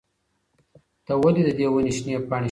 ته ولې د دې ونې شنې پاڼې شوکوې؟